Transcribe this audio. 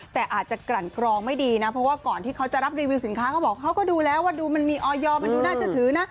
แต่อาจจะกลั่นกรองไม่ดีนะเพราะว่าก่อนที่เขาจะรับรีวิวสินค้าเขาบอกเขาก็ดูแล้วว่าดูมันมีออยอร์มันดูน่าเชื่อถือนะ